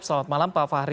selamat malam pak fahri